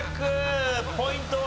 ポイントは？